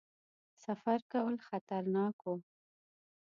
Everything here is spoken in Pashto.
سفر کول خطرناک وو.